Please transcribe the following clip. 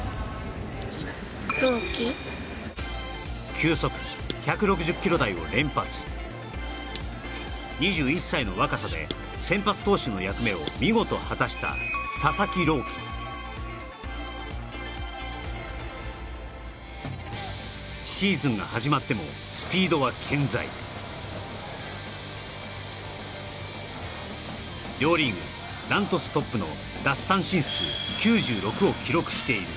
球速１６０キロ台を連発２１歳の若さで先発投手の役目を見事果たしたシーズンが始まってもスピードは健在両リーグダントツトップのを記録している